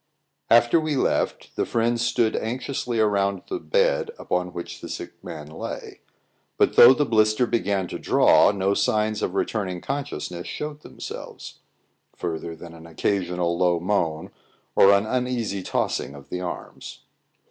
After we left, the friends stood anxiously around the bed upon which the sick man lay; but though the blister began to draw, no signs of returning consciousness showed themselves, further than an occasional low moan, or an uneasy tossing of the arms.